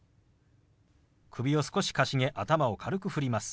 首を少しかしげ頭を軽く振ります。